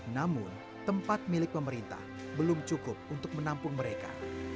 namun tempat milik pemerintah belum cukup untuk menampung mereka